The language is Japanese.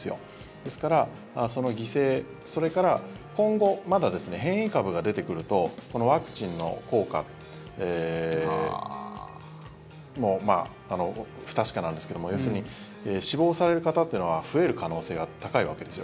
ですからその犠牲、それから今後、まだ変異株が出てくるとこのワクチンの効果不確かなんですけども要するに死亡される方は増える可能性が高いわけですよ